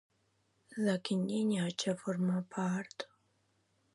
De quin llinatge forma part?